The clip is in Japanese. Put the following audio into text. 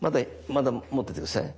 まだ持ってて下さい。